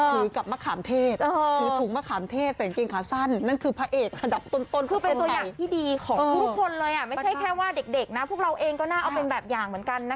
คือกับมะขามเทศคือถุงมะขามเทศเสียงเกงขาสั้น